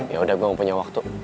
yaudah gue mau punya waktu